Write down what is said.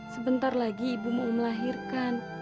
sebentar lagi ibu mau melahirkan